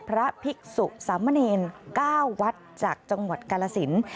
พระภิกษุสามเณร๙วัดจากจังหวัดกาลสิน